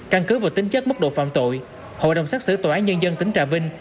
căn cứ vào tính chất mức độ phạm tội hội đồng xác xử tòa án nhân dân tỉnh trà vinh